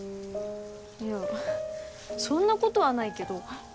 いやそんなことはないけど。